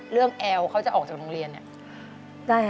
แอลเขาจะออกจากโรงเรียนเนี่ย